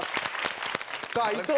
さあ伊藤。